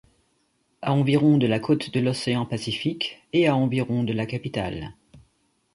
À environ de la cote de l'océan Pacifique, et à environ de la capitale.